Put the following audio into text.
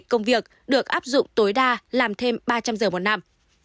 công việc được áp dụng tối đa làm thêm ba trăm linh giờ một năm